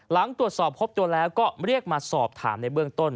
หลังตรวจสอบพบตัวแล้วก็เรียกมาสอบถามในเบื้องต้น